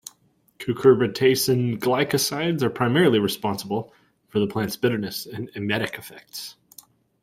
Cucurbitacin glycosides are primarily responsible for the plants' bitterness and emetic effects.